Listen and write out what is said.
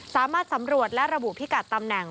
สามารถสำรวจและระบุพิกัดตำแหน่ง